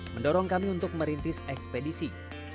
mendorong kami untuk merintis ekspedisi